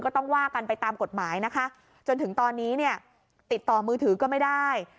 ก็ต้องว่ากันไปตามกฎหมายนะคะจนถึงตอนนี้เนี่ยติดต่อมือถือก็ไม่ได้